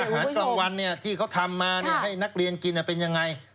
อาหารกลางวันที่เขาทำมาให้นักเรียนกินเป็นยังไง